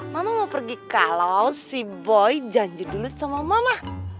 mama mau pergi kalau si boy janji dulu sama mama